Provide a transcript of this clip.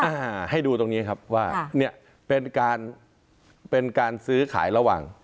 อ่าให้ดูตรงนี้ครับว่าเนี่ยเป็นการเป็นการซื้อขายระหว่าง